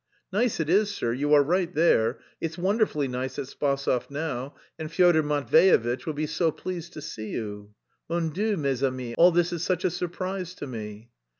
"Nice it is, sir, you are right there, it's wonderfully nice at Spasov now and Fyodor Matveyevitch will be so pleased to see you." "Mon Dieu, mes amis, all this is such a surprise to me."